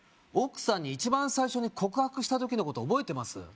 奥さんに一番最初に告白した時のこと覚えてます？